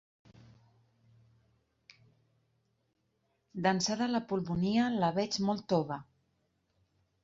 D'ençà de la pulmonia la veig molt tova.